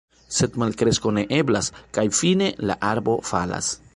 Sed malkresko ne eblas. Kaj fine, la arbo falas.